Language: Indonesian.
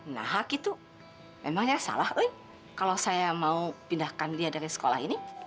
nah hak itu memangnya salah woi kalau saya mau pindahkan dia dari sekolah ini